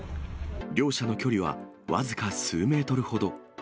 両者の距離は僅か数メートルほど。